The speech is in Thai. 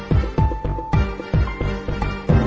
กินโทษส่องแล้วอย่างนี้ก็ได้